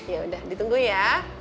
ya udah ditunggu ya